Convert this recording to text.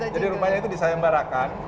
jadi rupanya itu disayangbarakan